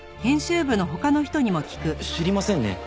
知りませんね。